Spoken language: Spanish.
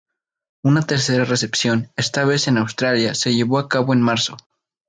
Una tercera recepción, esta vez en Australia, se llevó a cabo en marzo.